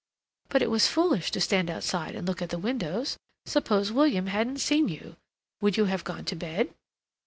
"But it was foolish to stand outside and look at the windows. Suppose William hadn't seen you. Would you have gone to bed?"